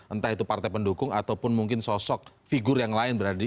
entah itu partai pendukung ataupun mungkin sosok figur yang lain berarti